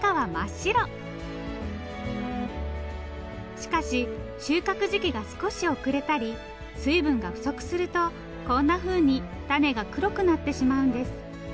しかし収穫時期が少し遅れたり水分が不足するとこんなふうに種が黒くなってしまうんです。